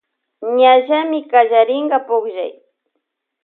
Ñallamy kallarinka pullay.